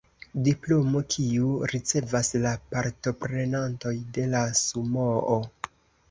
Diplomo kiun ricevas la partoprenantoj de la sumoo